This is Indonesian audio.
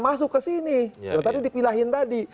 masuk ke sini tadi dipilahin tadi